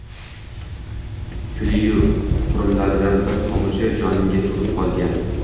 Kuli-yu qurumlaridan bir hovuchi jonimga to’lib qolgan.